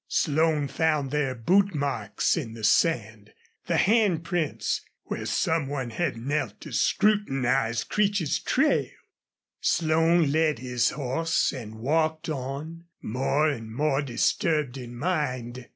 Slone found their boot marks in the sand the hand prints where some one had knelt to scrutinize Creech's trail. Slone led his horse and walked on, more and more disturbed in mind.